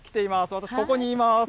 私、ここにいます。